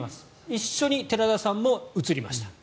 一緒に寺田さんも移りました。